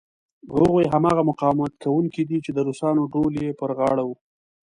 هغوی هماغه مقاومت کوونکي دي چې د روسانو ډول یې پر غاړه و.